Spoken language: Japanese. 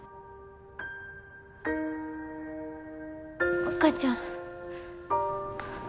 お母ちゃん。